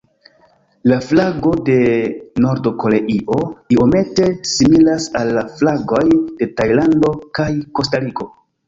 La flago de Nord-Koreio iomete similas al la flagoj de Tajlando kaj Kostariko.